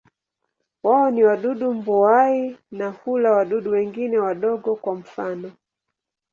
Wao ni wadudu mbuai na hula wadudu wengine wadogo, kwa mfano.